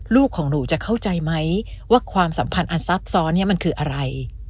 ลูกของหนูจะเข้าใจไหมว่าความสัมพันธ์อันซับซ้อนเนี่ยมันคืออะไร